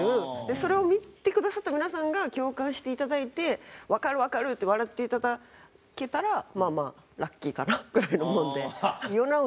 それを見てくださった皆さんが共感していただいて「わかるわかる」って笑っていただけたらまあまあラッキーかなぐらいのもんで。